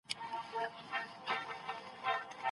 شک د پوهي لومړی ګام دی.